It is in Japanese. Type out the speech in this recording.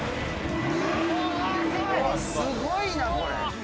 すごいな、これ。